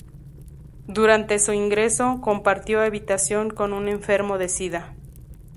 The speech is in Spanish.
Durante su ingreso, compartió habitación con un enfermo de sida.